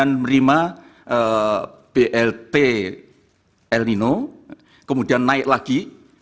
kemudian menerima blt el nino kemudian naik lagi